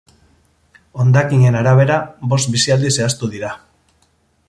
Hondakinen arabera, bost bizialdi zehaztu dira.